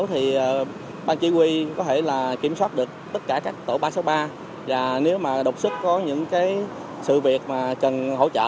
thì ban chỉ huy có thể là kiểm soát được tất cả các tổ ba trăm sáu mươi ba và nếu mà độc sức có những sự việc mà cần hỗ trợ